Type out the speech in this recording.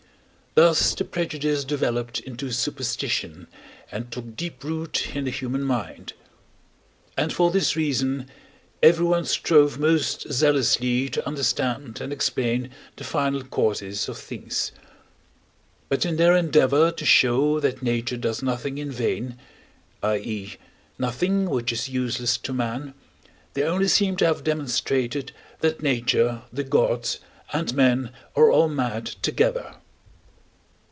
Thus the prejudice developed into superstition, and took deep root in the human mind; and for this reason everyone strove most zealously to understand and explain the final causes of things; but in their endeavor to show that nature does nothing in vain, i.e. nothing which is useless to man, they only seem to have demonstrated that nature, the gods, and men are all mad together.